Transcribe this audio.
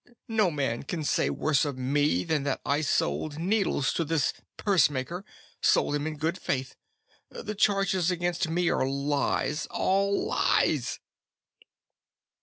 No man can say worse of me than that I sold needles to this pursemaker sold them in good faith! The charges against me are lies, all lies!"